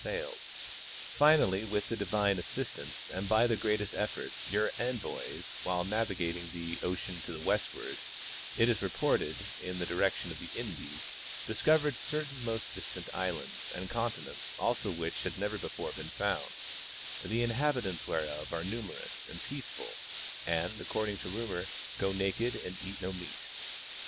sailed. Finally, with the divine assistance and by the greatest effort, your envoys, while navigating the ocean to the westward, it is reported, in the direction of the Indies, discovered certain most distant islands and continents also which had never before been found, the inhabitants whereof are numerous and peaceful and, accord ing to rumor, go naked and eat no meat.